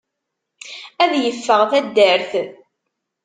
Ad yeffeɣ taddart!